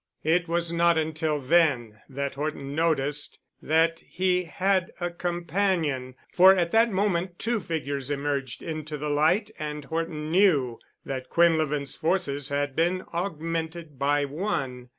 It was not until then that Horton noticed that he had a companion, for at that moment two figures emerged into the light and Horton knew that Quinlevin's forces had been augmented by one.